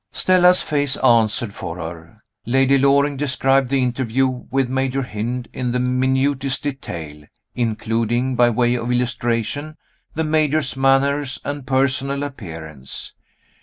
Stella's face answered for her. Lady Loring described the interview with Major Hynd in the minutest detail including, by way of illustration, the Major's manners and personal appearance.